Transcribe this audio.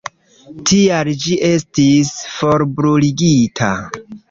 Tial ĝi estis forbruligita.